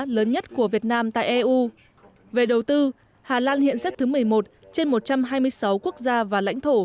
lớn nhất của việt nam tại eu về đầu tư hà lan hiện xếp thứ một mươi một trên một trăm hai mươi sáu quốc gia và lãnh thổ